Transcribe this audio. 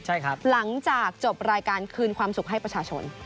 ใช่ครับหลังจากจบรายการคืนความสุขให้ประชาชน